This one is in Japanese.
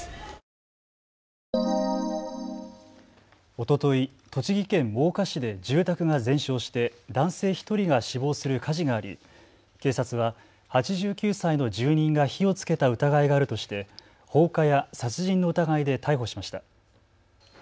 おととい、栃木県真岡市で住宅が全焼して男性１人が死亡する火事があり警察は８９歳の住人が火をつけた疑いがあるとして放火や殺人の疑いで逮捕しました。